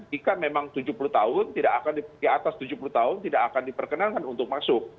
jika memang tujuh puluh tahun tidak akan di atas tujuh puluh tahun tidak akan diperkenankan untuk masuk